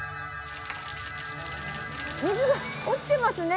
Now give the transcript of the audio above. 水が落ちてますね。